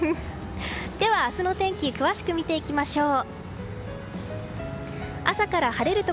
では、明日のお天気詳しく見ていきましょう。